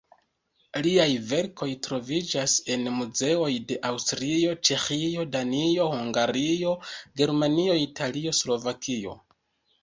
Liaj verkoj troviĝas en muzeoj de Aŭstrio, Ĉeĥio, Danio, Hungario, Germanio, Italio, Slovakio.